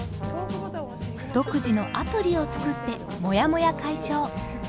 独自のアプリを作ってもやもや解消。